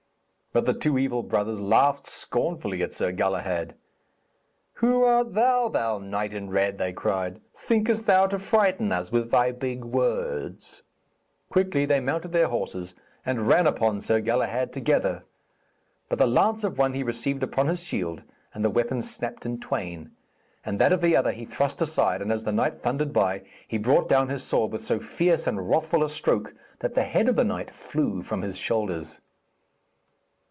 But the two evil brothers laughed scornfully at Sir Galahad. 'Who art thou, thou knight in red?' they cried. 'Thinkest thou to frighten us with thy big words?' Quickly they mounted their horses and ran upon Sir Galahad together. But the lance of one he received upon his shield, and the weapon snapped in twain; and that of the other he thrust aside and, as the knight thundered by, he brought down his sword, with so fierce and wrathful a stroke, that the head of the knight flew from his shoulders.